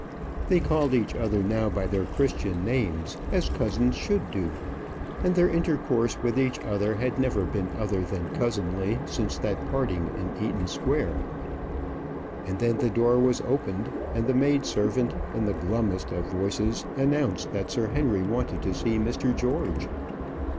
They called each other now by their Christian names, as cousins should do; and their intercourse with each other had never been other than cousinly since that parting in Eaton Square. And then the door was opened, and the maid servant, in the glummest of voices, announced that Sir Henry wanted to see Mr. George.